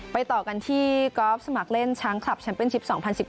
ต่อกันที่กอล์ฟสมัครเล่นช้างคลับแชมเป็นชิป๒๐๑๙